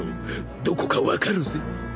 どこか分かるぜ。